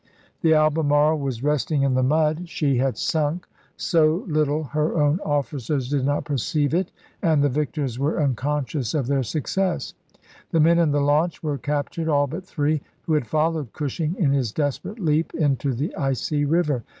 The Albemarle was resting in the mud ; she had sunk so little her own officers did not perceive it, and the victors were unconscious of their success. The men in the launch were captured, all but three, who had followed Cushing in his desperate leap into the icy river.